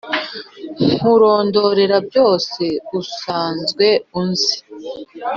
Nkurondorere byose usanzwe uzi